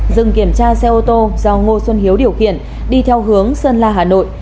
dừng kiểm tra xe ô tô do ngô xuân hiếu điều khiển đi theo hướng sơn la hà nội